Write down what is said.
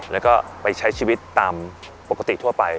แล้วก็ไปใช้ชีวิตตามปกติทั่วไป